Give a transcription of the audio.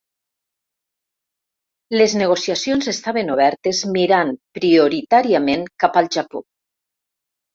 Les negociacions estaven obertes mirant prioritàriament cap al Japó.